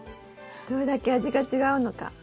どれだけ味が違うのか。